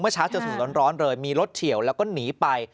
เช้าจนถึงร้อนเลยมีรถเฉียวแล้วก็หนีไป